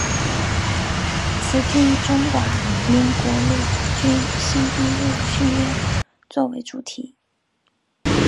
此剧以中华民国陆军新兵入伍训练作为主题。